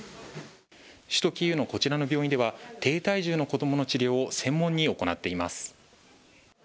首都キーウのこちらの病院では、低体重の子どもの治療を専門に行っています。